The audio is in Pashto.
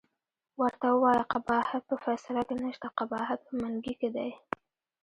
ورته ووایه قباحت په فیصله کې نشته، قباحت په منګي کې دی.